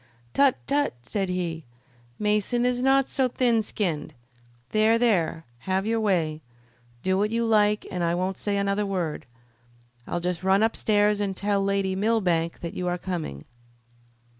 "Tut! tut!" said he; "Mason is not so thin skinned. There! there! Have your way! Do what you like and I won't say another word. I'll just run upstairs and tell Lady Millbank that you are coming."